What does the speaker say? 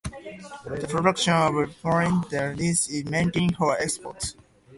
The production of "Vinprom-Troyan" is mainly for export.